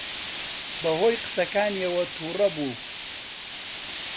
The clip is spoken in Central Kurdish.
بەهۆی قسەکانیەوە تووڕە بوو.